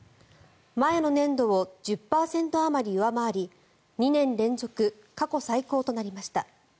前の年度を１０％あまり上回り２年連続過去最高となりました。